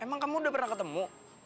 emang kamu udah pernah ketemu